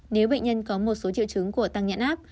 nếu bệnh nhân có một số triệu chứng của tăng nhãn áp